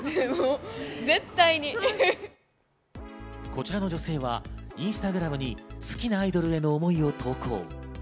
こちらの女性はインスタグラムに好きなアイドルへの思いを投稿。